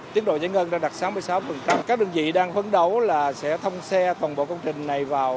tiến độ giải ngân đã đạt sáu mươi sáu các đơn vị đang phấn đấu là sẽ thông xe toàn bộ công trình này vào